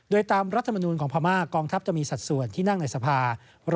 โดยตามรัฐมนูลของพม่ากองทัพจะมีสัดส่วนที่นั่งในสภา